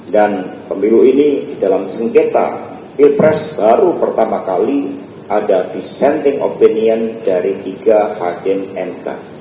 dan pemilu ini di dalam sengketa pilpres baru pertama kali ada dissenting opinion dari tiga hakim mk